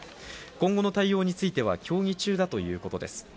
今後の対応については協議中だということです。